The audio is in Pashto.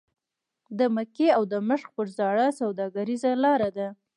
د مکې او دمشق پر زاړه سوداګریزه لاره ده.